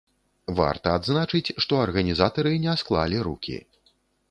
Варта адзначыць, што арганізатары не склалі рукі.